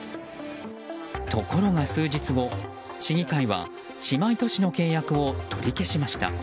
ところが数日後市議会は姉妹都市の契約を取り消しました。